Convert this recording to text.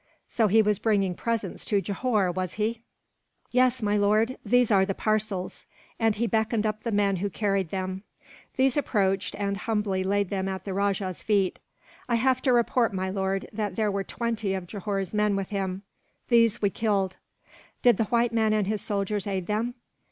"So he was bringing presents to Johore, was he?" "Yes, my lord; these are the parcels," and he beckoned up the men who carried them. These approached, and humbly laid them at the rajah's feet. "I have to report, my lord, that there were twenty of Johore's men with him. These we killed." "Did the white man and his soldiers aid them?"